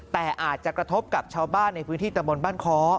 แต่อาจจะกระทบกับชาวบ้านในพื้นที่ตะบนบ้านค้อ